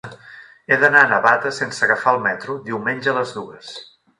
He d'anar a Navata sense agafar el metro diumenge a les dues.